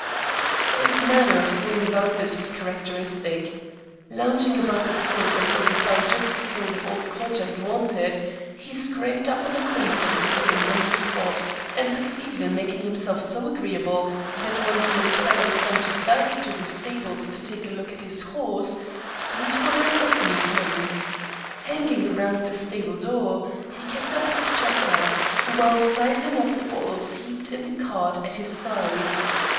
His manner of going about this was characteristic. Lounging about the stalls until he found just the sort of old codger he wanted, he scraped up an acquaintance with him on the spot, and succeeded in making himself so agreeable that when the old fellow sauntered back to the stables to take a look at his horse, Sweetwater accompanied him. Hanging round the stable door, he kept up his chatter, while sizing up the bottles heaped in the cart at his side.